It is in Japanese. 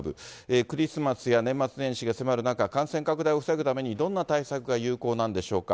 クリスマスや年末年始が迫る中、感染拡大を防ぐためにどんな対策が有効なんでしょうか。